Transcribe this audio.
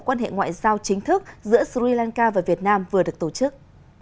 quan hệ ngoại giao chính thức giữa sri lanka và việt nam vừa được tổ chức